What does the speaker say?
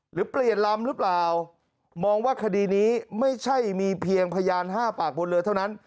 หรือเปลี่ยนลำหรือเปล่ามองว่าคดีนี้ไม่ใช่มีเพียงพยาน๕ปากบนเรือเท่านั้น